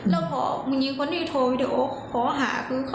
เน็ดพอฟอร์มงีคนนี้โทรวีดีโอขอหาคือ